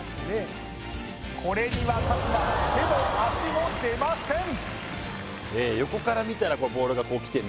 これには春日手も足も出ません